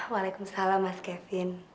waalaikumsalam mas kevin